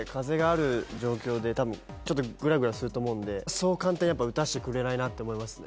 たぶんちょっとぐらぐらすると思うんでそう簡単にやっぱ打たしてくれないなって思いますね。